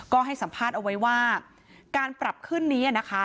ก็ให้สัมภาษณ์เอาไว้ว่าการปรับขึ้นนี้นะคะ